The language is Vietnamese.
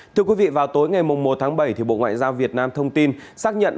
thưa quý vị vào tối ngày một tháng bảy bộ ngoại giao việt nam thông tin xác nhận